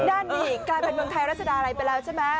นั่นนี่กลายเป็นเมืองไทยรัชดาลัยไปแล้วใช่ไหม